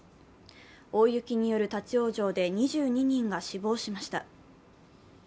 大雪による立往生で２２人が死亡しました。